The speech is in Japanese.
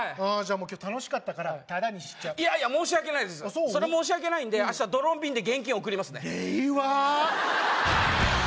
今日楽しかったからタダにしちゃういやいや申し訳ないですそれ申し訳ないんで明日ドローン便で現金送りますね